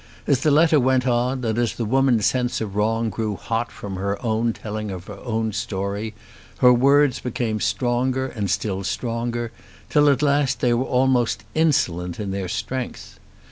As the letter went on, and as the woman's sense of wrong grew hot from her own telling of her own story, her words became stronger and still stronger, till at last they were almost insolent in their strength.